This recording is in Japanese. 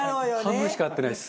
半分しか合ってないです。